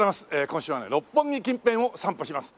今週はね六本木近辺を散歩します。